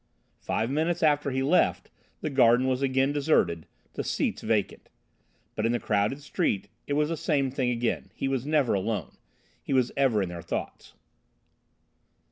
Five minutes after he left, the garden was again deserted, the seats vacant. But in the crowded street it was the same thing again; he was never alone. He was ever in their thoughts.